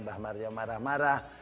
mbak maria marah marah